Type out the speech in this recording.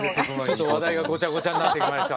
ちょっと話題がごちゃごちゃになってきました。